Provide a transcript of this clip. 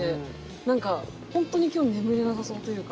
なんか本当に今日眠れなさそうというか。